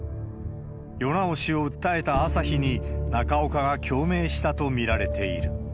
世直しを訴えた朝日に、中岡が共鳴したと見られている。